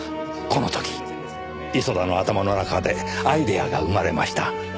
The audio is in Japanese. この時磯田の頭の中でアイデアが生まれました。